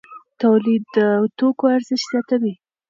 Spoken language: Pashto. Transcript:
تولید د توکو ارزښت زیاتوي.